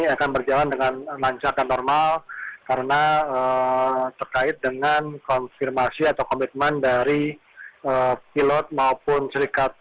akan berjalan dengan lancar dan normal karena terkait dengan konfirmasi atau komitmen dari pilot maupun serikat